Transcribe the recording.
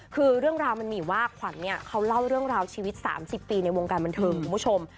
คือเรื่องราวมันมีอยู่ว่าขวัญเนี่ยเขาเล่าเรื่องราวชีวิต๓๐ปีในวงการบันเทิงคุณผู้ชม